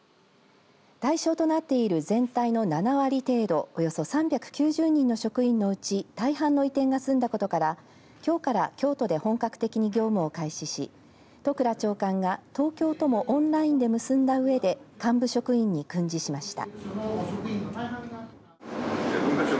対象となっている全体の７割程度およそ３９０人の職員のうち大半の移転が済んだことからきょうから京都で本格的に業務を開始し都倉長官が東京ともオンラインで結んだうえで幹部職員に訓示しました。